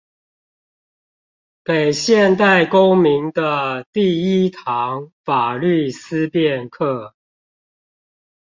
給現代公民的第一堂法律思辨課